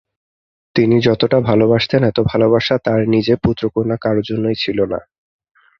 তিনি যতোটা ভালোবাসতেন এতো ভালোবাসা তার নিজে পুত্র কন্যা কারো জন্যই ছিলনা।